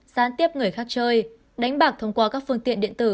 gián tiếp người khác chơi đánh bạc thông qua các phương tiện điện tử